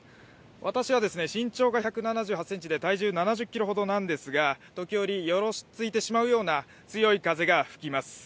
私は身長が１７８ｃｍで体重７０ｋｇほどなんですが時折よろついてしまうような強い風が吹きます